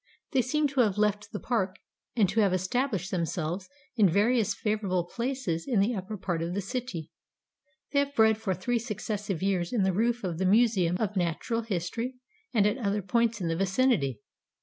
They seem to have left the park and to have established themselves in various favorable places in the upper part of the city. They have bred for three successive years in the roof of the Museum of Natural History and at other points in the vicinity.